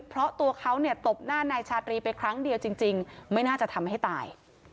เพราะตัวเขาเนี่ยตบหน้านายชาตรีไปครั้งเดียวจริงไม่น่าจะทำให้ตาย